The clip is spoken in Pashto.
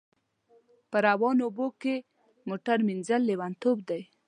په روانو اوبو کښی موټر وینځل لیونتوب دی